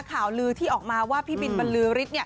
ข่าวลือที่ออกมาว่าพี่บินบรรลือฤทธิ์